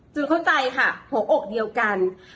เข้าใจค่ะหัวอกเดียวกัน